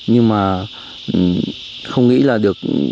nhưng mà không nghĩ là được